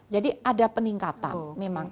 jadi ada peningkatan memang